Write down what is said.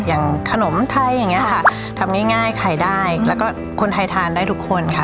อย่างขนมไทยอย่างนี้ค่ะทำง่ายขายได้แล้วก็คนไทยทานได้ทุกคนค่ะ